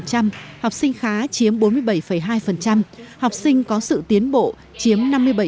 trong năm học số học sinh giỏi chiếm ba mươi hai bốn học sinh khá chiếm bốn mươi bảy hai học sinh có sự tiến bộ chiếm năm mươi bảy sáu